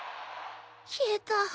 消えた。